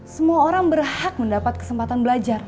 semua orang berhak mendapat kesempatan belajar